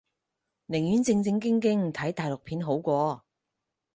寧願正正經經睇大陸片好過